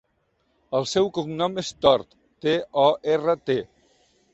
El seu cognom és Tort: te, o, erra, te.